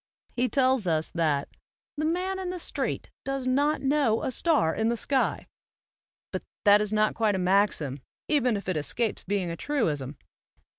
He tells us that " the man in the street does not know a star in the sky"; but that is not quite a maxim, even if it escapes being a truism.